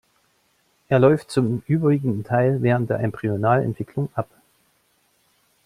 Er läuft zum überwiegenden Teil während der Embryonalentwicklung ab.